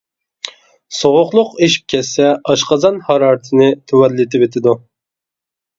سوغۇقلۇق ئېشىپ كەتسە ئاشقازان ھارارىتىنى تۆۋەنلىتىۋېتىدۇ.